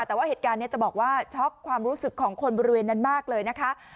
แต่ว่าเหตุการณ์นี้จะบอกว่าช็อกความรู้สึกของคนบริเวณนั้นมากเลยนะคะ